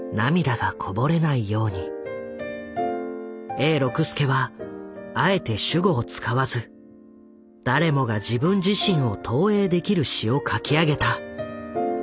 永六輔はあえて主語を使わず誰もが自分自身を投影できる詞を書き上げた。